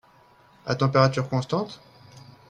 À température constante?